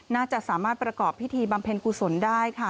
น่าจะสามารถประกอบพิธีบำเพ็ญกุศลได้ค่ะ